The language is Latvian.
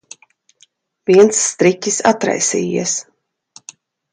Viens striķis atraisījies.